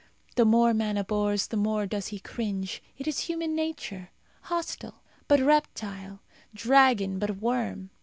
The more man abhors, the more does he cringe. It is human nature. Hostile, but reptile; dragon, but worm.